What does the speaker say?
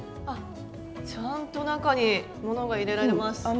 あっちゃんと中にものが入れられます。